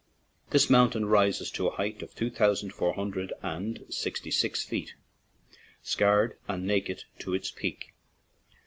This mountain rises to a height of two thousand four hundred and sixty six feet, scarred and naked to its peak.